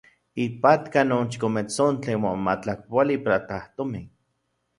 Ipatka non chikometsontli uan matlakpoali platajtomin.